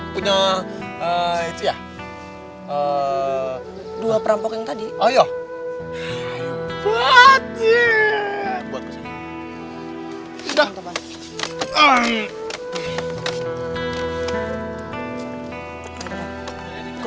punya itu ya dua perampok yang tadi ayo